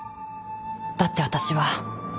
だって私は。